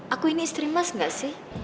aku ini istri mas gak sih